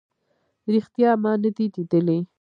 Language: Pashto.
ریښتیا ما نه دی لیدلی